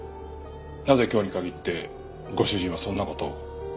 なぜ今日に限ってご主人はそんな事を？